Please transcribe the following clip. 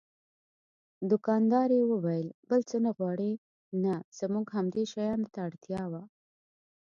دوکاندارې وویل: بل څه خو نه غواړئ؟ نه، زموږ همدې شیانو ته اړتیا وه.